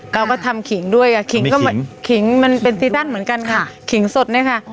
เราก็ทำขิงด้วยขิงมันเป็นซีซั่นเหมือนกันค่ะขิงสดนะคะ